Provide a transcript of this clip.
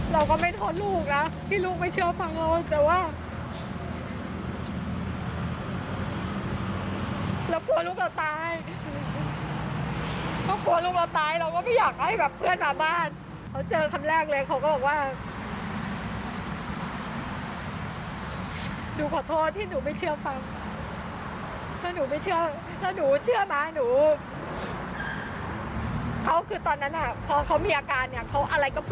พอเขามีอาการเขาอะไรก็เพื่อนแล้ว